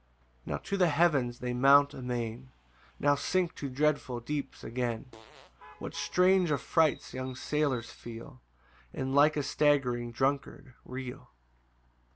3 Now to the heavens they mount amain, Now sink to dreadful deeps again; What strange affrights young sailors feel, And like a staggering drunkard reel!